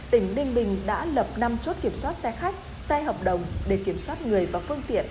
tỉnh ninh bình đã lập năm chốt kiểm soát xe khách xe hợp đồng để kiểm soát người và phương tiện